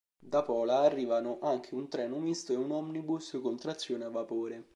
Da Pola arrivavano anche un treno misto e un omnibus con trazione a vapore.